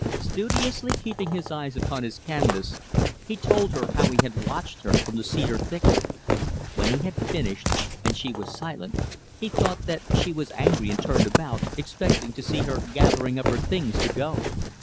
Studiously keeping his eyes upon his canvas, he told her how he had watched her from the cedar thicket. When he had finished, and she was silent, he thought that she was angry, and turned about expecting to see her gathering up her things to go.